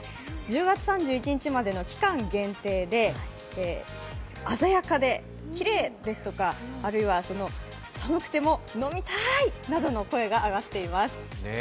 １０月３１日までの期間限定で、鮮やかできれいですとか、あるいは寒くても飲みたいなどの声が上がっています。